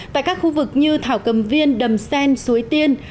tại các khu vực như thảo cầm viên đầm sen suối tiên